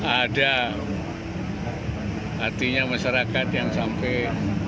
ada artinya masyarakat yang sampai